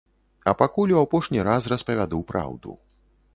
А пакуль у апошні раз распавяду праўду.